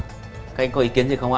các anh có ý kiến gì không ạ